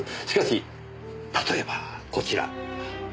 しかし例えばこちら。